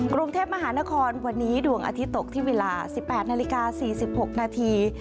กรุงเทพมหานครวันนี้ดวงอาทิตย์ตกที่เวลา๑๘นาฬิกา๔๖นาที